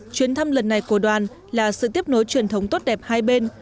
chuyến thăm lần này của đoàn là sự tiếp nối truyền thống tốt đẹp hai bên